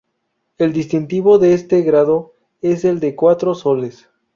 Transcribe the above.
El distintivo de este grado es el de cuatro soles.